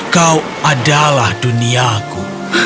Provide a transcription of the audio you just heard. kau adalah duniaku